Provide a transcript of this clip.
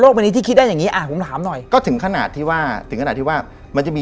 เขาบอกว่า